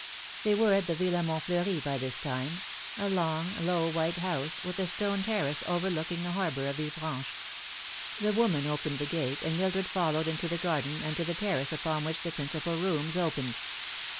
They were at the Villa Montfleuri by this time, a long, low white house, with a stone terrace overlooking the harbour of Villefranche. The woman opened the gate, and Mildred fol lowed her into the garden and to the terrace upon which the principal rooms opened.